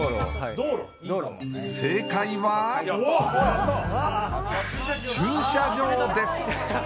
正解は、駐車場です。